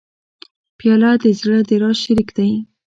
پیاله د زړه د راز شریک دی.